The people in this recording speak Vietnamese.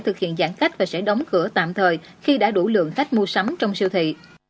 thực hiện giãn cách và sẽ đóng cửa tạm thời khi đã đủ lượng khách mua sắm trong siêu thị